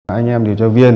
anh em điều tra viên